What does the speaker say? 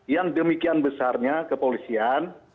yang demikian besarnya kepolisian